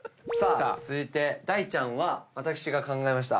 続いて大ちゃんは私が考えました。